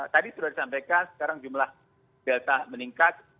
tadi sudah disampaikan sekarang jumlah delta meningkat